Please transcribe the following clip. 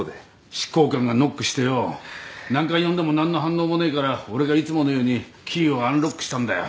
執行官がノックしてよ何回呼んでもなんの反応もねえから俺がいつものようにキーをアンロックしたんだよ。